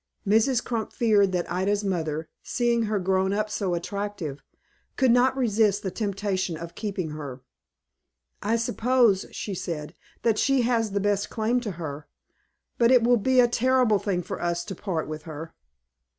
Mrs. Crump feared that Ida's mother, seeing her grown up so attractive, could not resist the temptation of keeping her. "I suppose," she said, "that she has the best claim to her; but it will be a terrible thing for us to part with her."